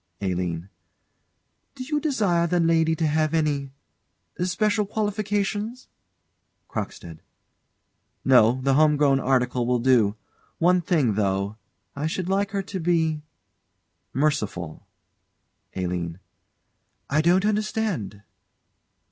ALINE. Do you desire the lady to have any special qualifications? CROCKSTEAD. No the home grown article will do. One thing, though I should like her to be merciful. ALINE. I don't understand.